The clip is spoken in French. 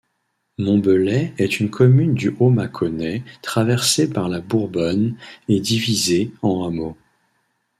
Montbellet est une commune du Haut-Mâconnais traversée par la Bourbonne et divisée en hameaux.